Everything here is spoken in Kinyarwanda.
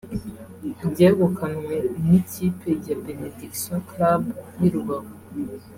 ryegukanwe n’ikipe ya Benediction Club y’i Rubavu